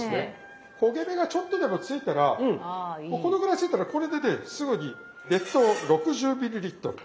焦げ目がちょっとでもついたらもうこのぐらいついたらこれでねすぐに熱湯６０ミリリットル。